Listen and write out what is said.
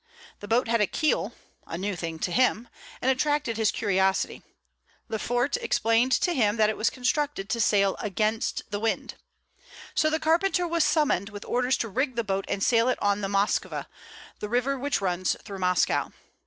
This boat had a keel, a new thing to him, and attracted his curiosity, Lefort explained to him that it was constructed to sail against the wind. So the carpenter was summoned, with orders to rig the boat and sail it on the Moskva, the river which runs through Moscow.